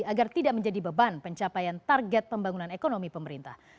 agar tidak menjadi beban pencapaian target pembangunan ekonomi pemerintah